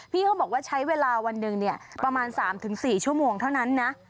พี่เขาบอกว่าใช้เวลาวันหนึ่งประมาณ๓๔ชั่วโมงเท่านั้นนะ